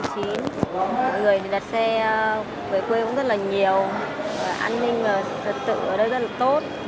mọi người đặt xe về quê cũng rất là nhiều an ninh và trật tự ở đây rất là tốt